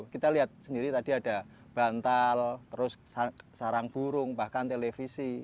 kita lihat sendiri tadi ada bantal terus sarang burung bahkan televisi